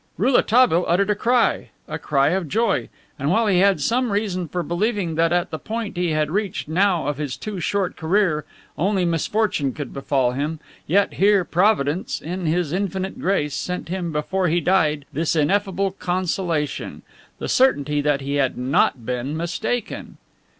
Rouletabille uttered a cry, a cry of joy, and while he had some reason for believing that at the point he had reached now of his too short career only misfortune could befall him, yet here Providence, in his infinite grace, sent him before he died this ineffable consolation: the certainty that he had not been mistaken.